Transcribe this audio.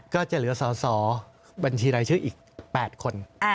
ก็จะเหลือสอสอบัญชีรายชื่ออีก๘คน